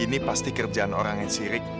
ini pasti kerjaan orang yang syirik